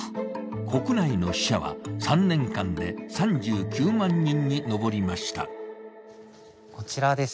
国内の死者は３年間で３９万人に上りました。